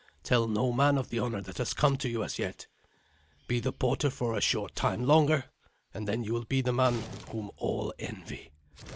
Tell no man of the honour that has come to you as yet. Be the porter for a short time longer, and then you will be the man whom all envy.